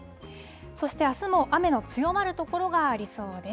そしてあすも雨の強まるところがありそうです。